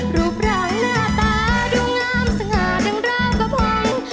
รูปร่างหน้าตาดูงามสง่าดังราวกระพง